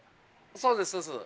そうです。